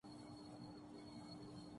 بادل کے ساتھ ساتھ چلیے اور بارش کا مزہ لیجئے